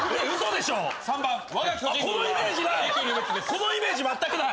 このイメージまったくない。